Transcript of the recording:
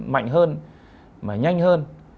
mạnh hơn mà nhanh hơn